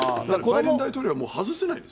バイデン大統領はもう外せないん